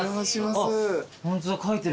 あっホントだ書いてる。